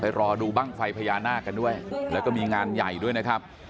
รอดูบ้างไฟพญานาคกันด้วยแล้วก็มีงานใหญ่ด้วยนะครับ